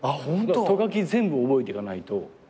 ト書き全部覚えていかないと。